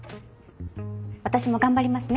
私も頑張りますね。